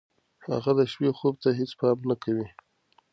هغه د شپې خوب ته هېڅ پام نه کوي.